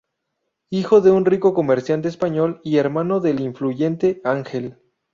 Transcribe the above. Hijo de un rico comerciante español y hermano del influyente Ángel.